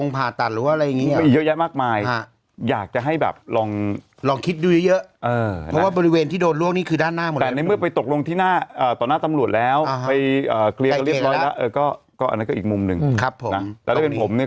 ผ่าตรงผ่าตัดหรืออะไรอย่างนี้